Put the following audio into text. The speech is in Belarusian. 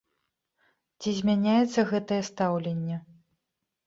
Ці змяняецца гэтае стаўленне?